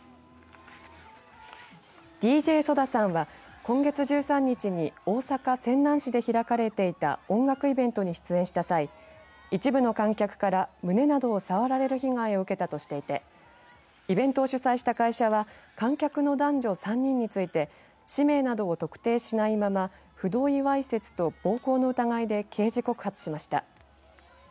ＤＪＳＯＤＡさんは今月１３日に大阪・泉南市で開かれていた音楽イベントに出演した際一部の観客から胸などを触られる被害を受けたとしていてイベントを主催した会社は観客の男女３人について氏名などを特定しないまま不同意わいせつと暴行の疑いで刑事告発しました。